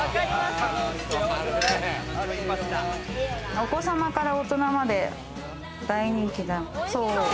お子様から大人まで大人気な。